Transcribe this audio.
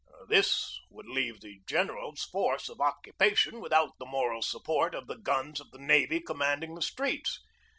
This would leave the general's force of occupation with out the moral support of the guns of the navy com manding the streets.